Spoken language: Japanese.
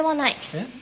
えっ？